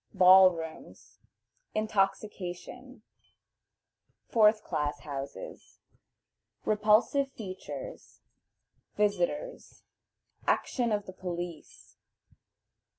Ball rooms. Intoxication. Fourth Class Houses. Repulsive Features. Visitors. Action of the Police.